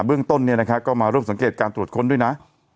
เรื่องต้นเนี่ยนะคะก็มาร่วมสังเกตการตรวจค้นด้วยนะ